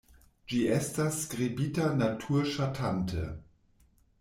Ĝi estas skribita natur-ŝatante.